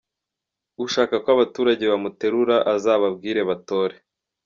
Ushaka ko abaturage bamuterura azababwire batore.